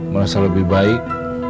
merasa lebih baik